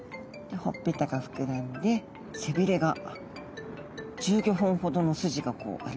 ほっぺたが膨らんで背びれが１５本ほどの筋がこうあります。